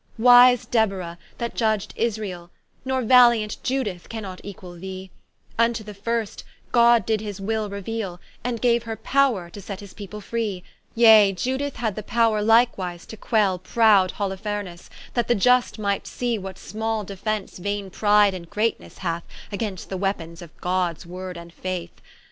Wise Deborah that judged Israel, Nor valiant Iudeth cannot equall thee, Vnto the first, God did his will reueale, And gaue her powre to set his people free; Yea Iudeth had the powre likewise to queale Proud Holifernes, that the just might see What small defence vaine pride and greatnesse hath Against the weapons of Gods word and faith.